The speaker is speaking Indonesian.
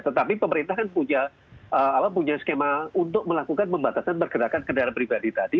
tetapi pemerintah kan punya apa punya skema untuk melakukan membatasan pergerakan kendaraan pribadi tadi